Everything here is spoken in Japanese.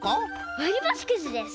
わりばしくじです！